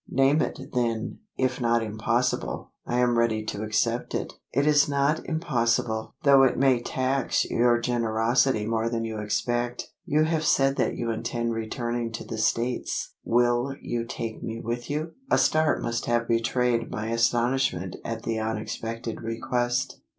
"Name it then if not impossible, I am ready to accept it." "It is not impossible though it may tax your generosity more than you expect. You have said that you intend returning to the States. Will you take me with, you?" A start must have betrayed my astonishment at the unexpected request.